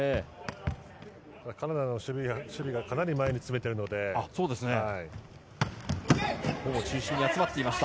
カナダの守備がかなり前に詰めています。